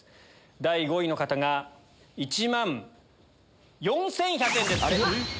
第５位の方が１万４１００円です。